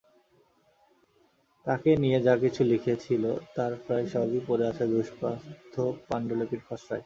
তাঁকে নিয়ে যা-কিছু লিখেছিল তার প্রায় সবই পড়ে আছে দুষ্পাঠ্য পাণ্ডুলিপির খসড়ায়।